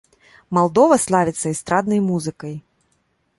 Малдова славіцца эстраднай музыкай.